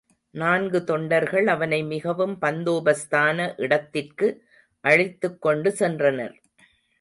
நான்கு தொண்டர்கள் அவனை மிகவும் பந்தோபஸ்தான இடத்திற்கு அழைத்துக் கொண்டு சென்றனர்.